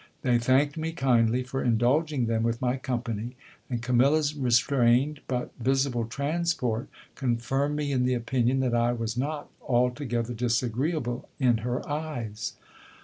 They thanked me kindly for indulging them with my company ; and Camilla's restrained, but visible transport, confirmed me in the opinion that I was not altogether disagree able in her eyes.